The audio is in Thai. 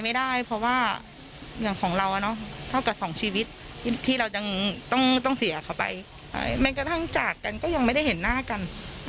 แม้แห่งจากกันก็ยังไม่ได้เห็นหน้ากัน